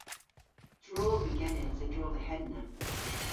Drog yw genes a-dro dhe henna.